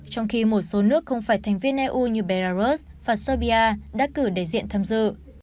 trong khi một số nước không phải thành viên eu như belarus và serbia đã cử đại diện tham dự